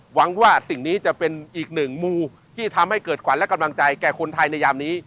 หวังว่าสิ่งนี้จะเป็นอีกหนึ่งมูที่ทำให้เกิดขวัญและกำลังใจแก่คนไทยในยามนี้